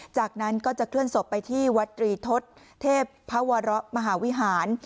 จากนั้นก็จะเคลื่อนศพไปที่วัดตรีทศเทพภวรมหาวิหาร